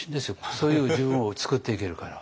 そういう自分を作っていけるから。